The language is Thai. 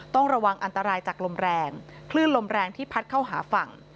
ต้องระวังอันตรายจากลมแรงคลื่นลมแรงที่พัดเข้าหาฝั่ง